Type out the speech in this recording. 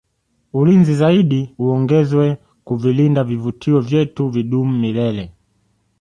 ulinzi zaidi uongezwe kuvilinda vivutio vyetu vidumu milele